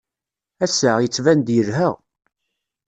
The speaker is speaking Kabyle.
Ass-a, yettban-d yelha.